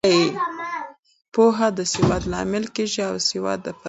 پوهه د سواد لامل کیږي او سواد د پرمختګ.